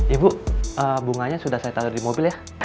ibu bunganya sudah saya tali di mobil ya